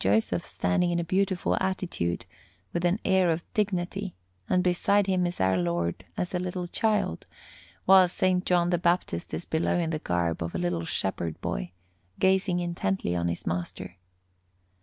Joseph standing in a beautiful attitude, with an air of dignity, and beside him is Our Lord as a little Child, while S. John the Baptist is below in the garb of a little shepherd boy, gazing intently on his Master.